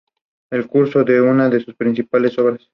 El "Curso" es una de sus principales obras.